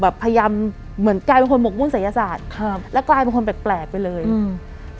พยายามเหมือนกลายเป็นคนหมกมุ่นศัยศาสตร์ครับแล้วกลายเป็นคนแปลกแปลกไปเลยอืม